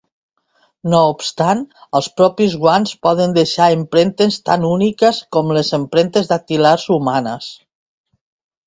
No obstant, els propis guants poden deixar empremtes tan úniques com les empremtes dactilars humanes.